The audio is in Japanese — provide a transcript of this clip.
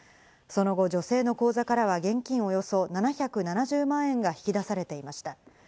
その後、女性の口座からは現金およそ７７０万円が引き出されていました。